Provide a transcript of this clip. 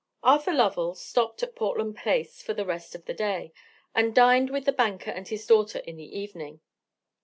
Arthur Lovell stopped at Portland Place for the rest of the day, and dined with the banker and his daughter in the evening.